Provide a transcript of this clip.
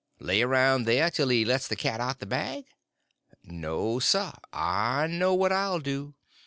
—lay around there till he lets the cat out of the bag? No, sir; I know what I'll do.